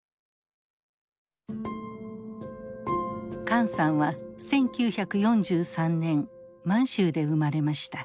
管さんは１９４３年満州で生まれました。